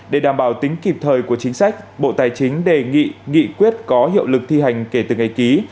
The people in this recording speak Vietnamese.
để đảm bảo tính kịp thời của chính sách bộ tài chính đề nghị nghị quyết có hiệu lực thi hành kể từ ngày ký